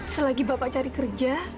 selagi bapak cari kerja